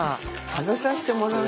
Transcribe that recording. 食べさせてもらう。